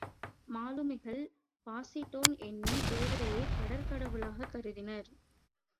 மாலுமிகள் பாசிடோன் என்னும் தேவதையைக் கடற்கடவுளாகக் கருதினர்.